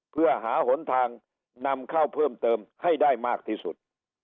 เพื่อหาหนทางนำเข้าเพิ่มเติมให้ได้มากที่สุด